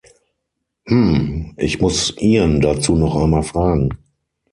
Hm, ich muss Ian dazu noch einmal fragen.